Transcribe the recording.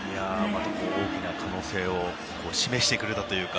大きな可能性を示してくれたというか。